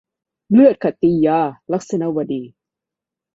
เลือดขัตติยา - ลักษณวดี